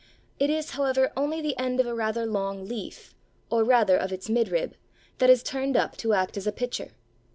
It is, however, only the end of a rather long leaf, or rather of its midrib, that is turned up to act as a pitcher.